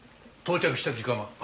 到着した時間は？